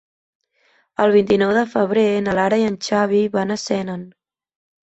El vint-i-nou de febrer na Lara i en Xavi van a Senan.